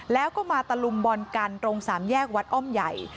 แล้วก็มาตะลุมบอลกันตรงสามแยกวัดอ้อมใหญ่